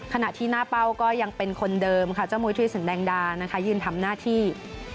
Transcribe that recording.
ขณะที่หน้าเป้าก็ยังเป็นคนเดิมค่ะเจ้ามุยธุรสินแดงดานะคะยืนทำหน้าที่